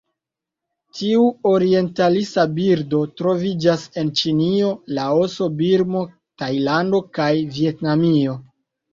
Tiu orientalisa birdo troviĝas en Ĉinio, Laoso, Birmo, Tajlando kaj Vjetnamio.